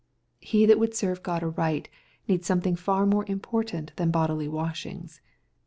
— He that would serve God aright needs something far more important than bodily washings.